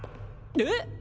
えっ？